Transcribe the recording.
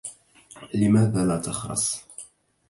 لماذا لا تخرس؟